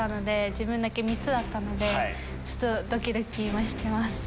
自分だけ３つだったのでドキドキ今してます。